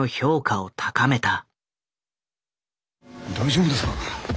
大丈夫ですか。